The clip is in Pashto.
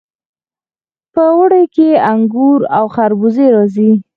په اوړي کې انګور او خربوزې راځي.